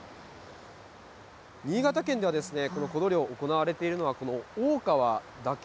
新潟県ではこのコド漁行われているのは、この大川だけ。